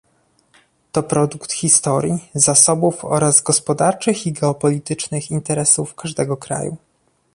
To produkt historii, zasobów oraz gospodarczych i geopolitycznych interesów każdego kraju